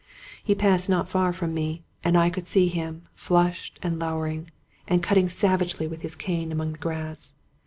He passed not far from me, and I could see him, flushed and lowering, and cutting savagely with his cane among the grass.